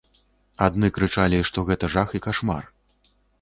Адны крычалі, што гэта жах і кашмар.